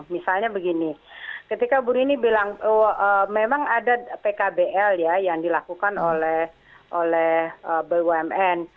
misalnya begini ketika bu rini bilang memang ada pkbl ya yang dilakukan oleh bumn